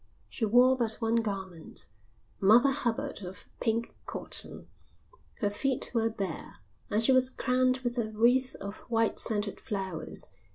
She wore but one garment, a Mother Hubbard of pink cotton, her feet were bare, and she was crowned with a wreath of white scented flowers.